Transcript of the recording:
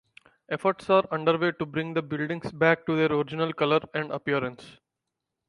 Efforts are underway to bring the buildings back to their original color and appearance.